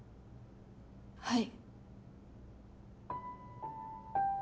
はい。